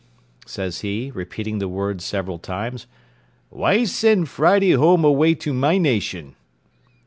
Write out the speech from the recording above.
says he, repeating the words several times; "why send Friday home away to my nation?"